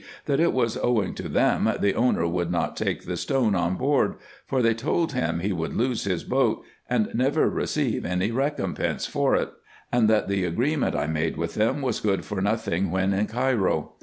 that it was owing to them the owner would not take the stone on board : for they told him he would lose his boat, and never receive any recompense for it ; and that the agreement I made with them was good for nothing when in Cairo.